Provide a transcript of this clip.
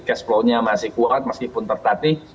cash flow nya masih kuat meskipun tertatih